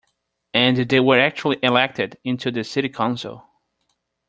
And they actually were elected into the city council.